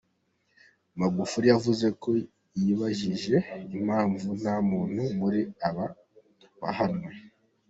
Magufuli yavuze ko yibajije impamvu nta muntu muri aba wahanwe.